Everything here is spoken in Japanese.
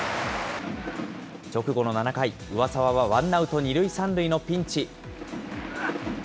直後の７回、上沢はワンアウト２塁３塁のピンチ。